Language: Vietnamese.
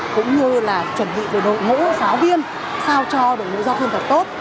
cũng như là chuẩn bị về đội ngũ giáo viên sao cho đội ngũ giáo viên thật tốt